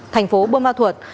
thành phố buôn ma thuật